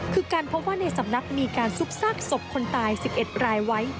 คือการพบว่าในสำนักมีการซุกซากศพคนตาย๑๑รายไว้